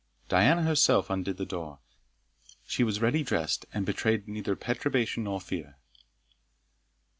Diana herself undid the door. She was ready dressed, and betrayed neither perturbation nor fear.